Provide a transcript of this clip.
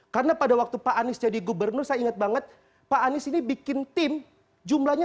karena pada waktu pak anies jadi gubernur saya ingat banget pak anies ini bikin tim jumlahnya